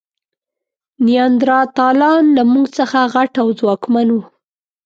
نیاندرتالان له موږ څخه غټ او ځواکمن وو.